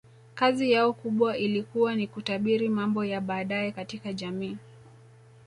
Kazi yao kubwa ilikuwa ni kutabiri mambo ya baadaye katika jamii